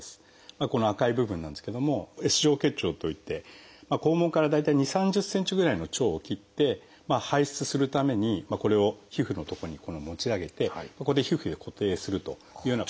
この赤い部分なんですけども「Ｓ状結腸」といって肛門から大体２０３０ｃｍぐらいの腸を切って排出するためにこれを皮膚の所に持ち上げてここで皮膚で固定するというような形です。